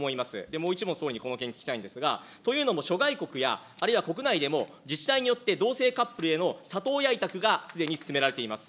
もう１問、総理にこの件、聞きたいんですが、というのも諸外国や、あるいは国内でも、自治体によって同性カップルへの里親委託がすでに進められています。